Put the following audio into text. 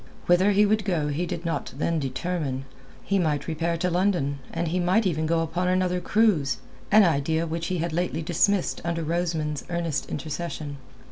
Whither he would go he did not then determine. He might repair to London, and he might even go upon another cruise—an idea which he had lately dismissed under Rosamund's earnest intercession.